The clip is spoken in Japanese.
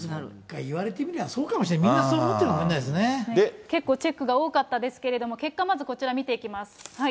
言われてみればそうかもしれない、みんな、結構チェックが多かったんですけど、結果、まずこちら見ていきます。